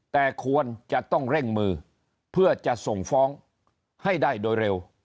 แต่ควรจะต้องเร่งมือเพื่อจะส่งฟ้องให้ได้โดยเร็ว